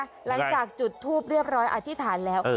หลังจากจุดทูปเรียบร้อยอธิษฐานแล้ว